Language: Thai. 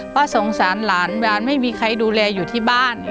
เพราะสงสารหลานหวานไม่มีใครดูแลอยู่ที่บ้าน